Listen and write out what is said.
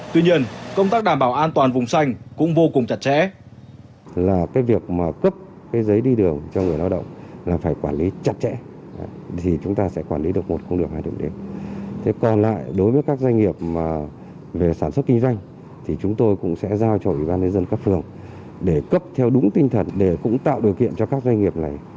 tuy nhiên công tác đảm bảo an toàn vùng xanh cũng vô cùng chặt chẽ